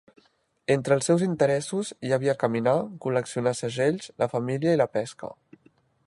Entre els seus interessos hi havia caminar, col·leccionar segells, la família i la pesca.